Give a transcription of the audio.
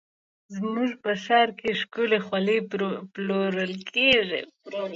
زموږ په ښار کې ښکلې خولۍ پلورل کېږي.